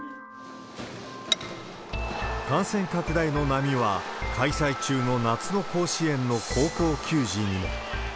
感染拡大の波は開催中の夏の甲子園の高校球児にも。